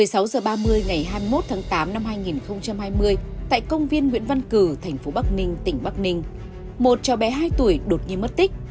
một mươi sáu h ba mươi ngày hai mươi một tháng tám năm hai nghìn hai mươi tại công viên nguyễn văn cử thành phố bắc ninh tỉnh bắc ninh một cháu bé hai tuổi đột nhiên mất tích